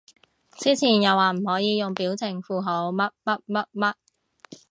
之前又話唔可以用表情符號乜乜乜